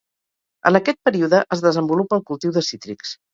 En aquest període es desenvolupa el cultiu de cítrics.